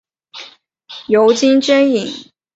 尤金真蚓。